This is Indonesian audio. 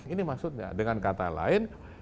ini maksudnya dengan kata lain